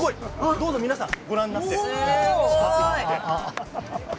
どうぞ皆さんご覧になって。